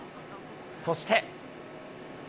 そして。